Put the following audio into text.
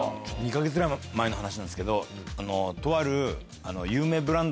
２か月ぐらい前の話なんですけど。とある。